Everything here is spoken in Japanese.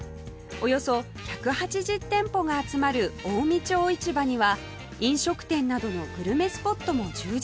およそ１８０店舗が集まる近江町市場には飲食店などのグルメスポットも充実